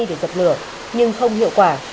để dập lửa nhưng không hiệu quả